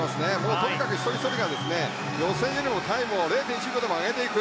とにかく一人ひとりが予選よりもタイムを０．１秒でも上げていく。